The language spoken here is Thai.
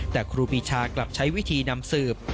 แต่ครูปีชากลับใช้วิธีนำสืบ